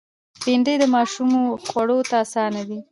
بېنډۍ د ماشومو خوړ ته آسانه ده